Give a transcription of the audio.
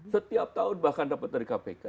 setiap tahun bahkan dapat dari kpk